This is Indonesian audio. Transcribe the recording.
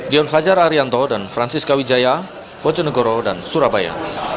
dion fajar arianto dan francis kawijaya bojonegoro dan surabaya